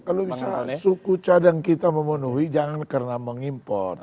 kalau misalnya suku cadang kita memenuhi jangan karena mengimpor